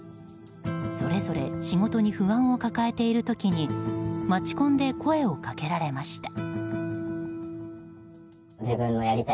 それぞれ仕事に不安を抱えている時に街コンで声をかけられました。